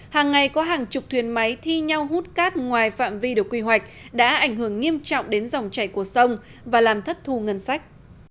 hàng ngày có hàng chục thuyền máy thi nhau hút cát ngoài phạm vi được quy hoạch đã ảnh hưởng nghiêm trọng đến dòng chảy của sông và làm thất thu ngân sách